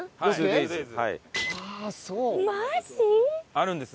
あるんです